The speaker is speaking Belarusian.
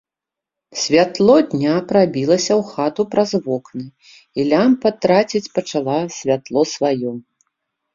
Святло дня прабілася ў хату праз вокны, і лямпа траціць пачала святло сваё.